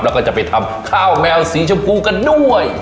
แล้วก็จะไปทำข้าวแมวสีชมพูกันด้วย